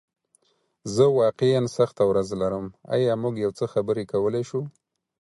زه واقعیا سخته ورځ لرم، ایا موږ یو څه خبرې کولی شو؟